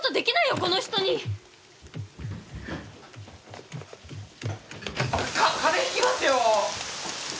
この人に！か風邪引きますよ！